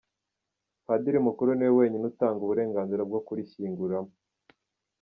Padiri Mukuru niwe wenyine utanga uburenganzira bwo kurishyinguramo.